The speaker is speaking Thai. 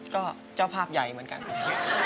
ก็เจ้าภาพใหญ่เหมือนกันครับ